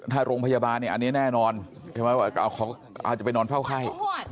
ถ้าโรงพยาบาลเนี่ยอันนี้แน่นอนเข่าไข้